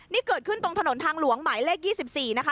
นี่เกิดขึ้นตรงถนนทางหลวงหมายเลข๒๔นะคะ